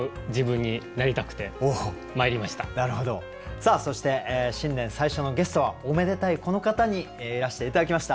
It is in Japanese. さあそして新年最初のゲストはおめでたいこの方にいらして頂きました。